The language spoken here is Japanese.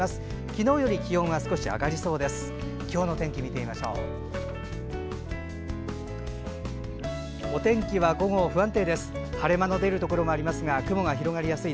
昨日より気温は少し上がりそうです。